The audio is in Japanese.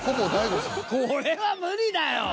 これは無理だよ。